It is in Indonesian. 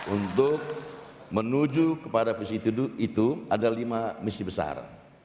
untuk menuju kepada visi itu ada lima misi besar